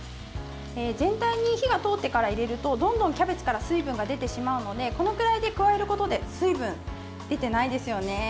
全体に火が通ってから入れるとどんどんキャベツから水分が出てしまうのでこのくらいで加えることで水分、出ていないですよね。